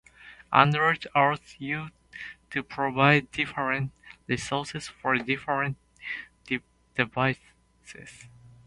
Android allows you to provide different resources for different devices.